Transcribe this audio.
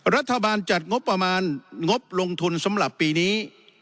รัฐบาลจัดงบประมาณงบลงทุนสำหรับปีนี้